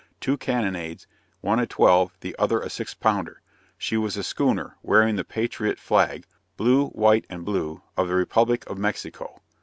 two carronades, one a twelve, the other a six pounder; she was a schooner, wearing the Patriot flag (blue, white and blue) of the Republic of Mexico.